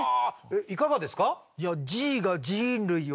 いかがですか？